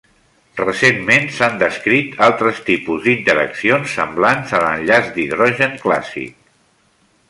Recentment s'han descrit altres tipus d'interaccions semblants a l'enllaç d'hidrogen clàssic.